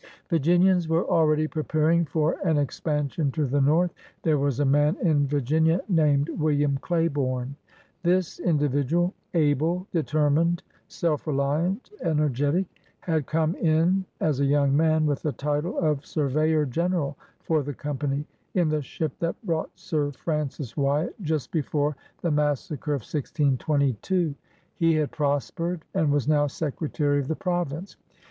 Virginians were already preparing for an ex pansion to the north. There was a man in Vir ginia named William Claiborne. This individual — able, determined, self reliant, energetic — had come in as a young man, with the title of surveyor general for the Company, in the ship that brought Sir Francis Wyatt, just before the massacre of 1622. He had prospered and was now Secretary BOYAL GOVERNMENT 115 of the Province.